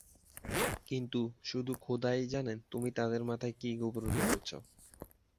কিন্তু শুধু খোদাই জানেন তুমি তাদের মাথায় কী গোবর ভরেছ।